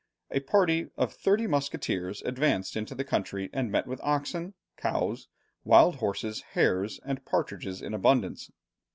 A party of thirty musketeers advanced into the country and met with oxen, cows, wild horses, hares, and partridges in abundance.